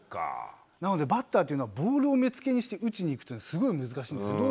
なのでバッターというのはボールを目付けにして打ちにいくというのはすごい難しい。